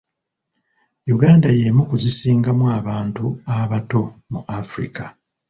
Uganda y'emu ku zisingamu abantu abato mu Africa.